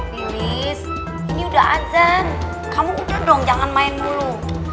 nilis ini udah ajan kamu udah dong jangan main mulu